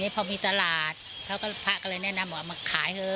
พอมีตลาดเขาก็พระก็เลยแนะนำว่ามาขายเถอะ